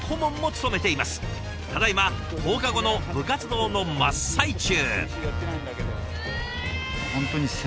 ただいま放課後の部活動の真っ最中。